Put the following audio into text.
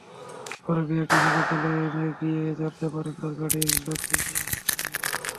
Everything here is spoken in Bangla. পরে বিআরটিএর কার্যালয়ে গিয়ে জানতে পারেন তাঁর গাড়ির নথি গায়েব হয়ে গেছে।